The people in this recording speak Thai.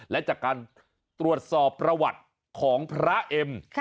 และจากการตรวจสอบประวัติของพระเอ็ม